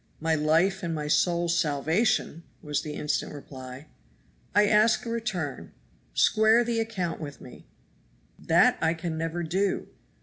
"My life and my soul's salvation," was the instant reply. "I ask a return; square the account with me." "That I can never do."